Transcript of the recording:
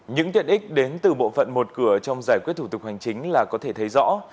những tiện ích đến từ bộ phận một cửa trong giải quyết thủ tục hành chính là có thể thấy rõ